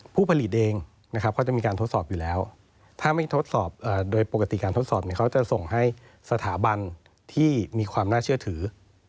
ผู้ผลิตเองนะครับเขาจะมีการทดสอบอยู่แล้วถ้าไม่ทดสอบโดยปกติการทดสอบเนี่ยเขาจะส่งให้สถาบันที่มีความน่าเชื่อถือ